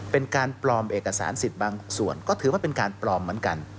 เป็นการปลอมเอกสารสิทธิ์บางส่วนก็ถือว่าเป็นการปลอมเหมือนกัน